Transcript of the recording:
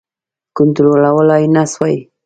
کنټرولولای نه سوای.